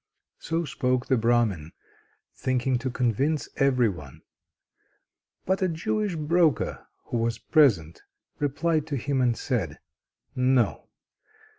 So spoke the Brahmin, thinking to convince every one; but a Jewish broker who was present replied to him, and said: "No!